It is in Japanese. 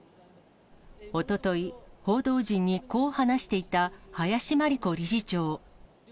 おととい、報道陣にこう話していた林真理子理事長。